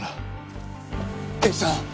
刑事さん！